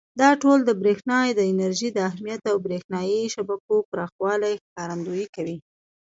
دا ټول د برېښنا د انرژۍ د اهمیت او برېښنایي شبکو پراخوالي ښکارندويي کوي.